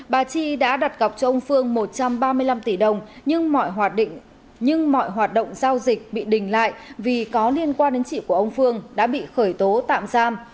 bà chi đã đặt gọc cho ông phương một trăm ba mươi năm tỷ đồng nhưng mọi hoạt động giao dịch bị đình lại vì có liên quan đến chị của ông phương đã bị khởi tố tạm giam